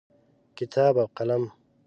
کتاب او قلم